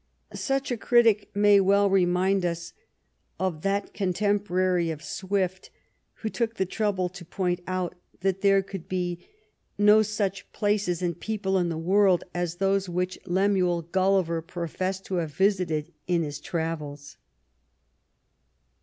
Such a critic may well remind us of that contemporary of Swift who took the trouble to point out that there could be no such places and people in the world as those which Lemuel Gulliver professed to have visited in his travels.